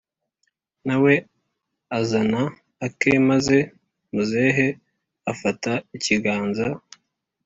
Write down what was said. nawe azana ake maze muzehe afata ikiganza